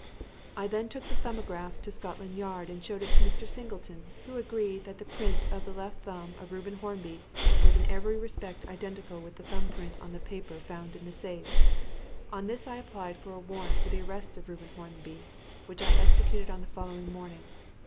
"I then took the 'Thumbograph' to Scotland Yard and showed it to Mr. Singleton, who agreed that the print of the left thumb of Reuben Hornby was in every respect identical with the thumb print on the paper found in the safe. On this I applied for a warrant for the arrest of Reuben Hornby, which I executed on the following morning.